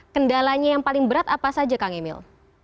kendalanya yang paling berat apa saja kang emil